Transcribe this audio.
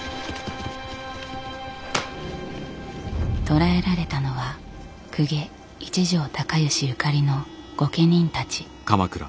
捕らえられたのは公家一条高能ゆかりの御家人たち。